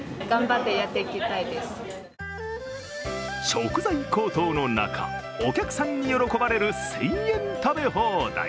食材高騰の中、お客さんに喜ばれる１０００円食べ放題。